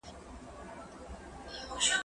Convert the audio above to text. زه مخکي درسونه لوستي وو!؟